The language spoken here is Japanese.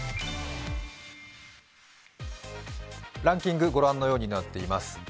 ランキング、御覧のようになっています。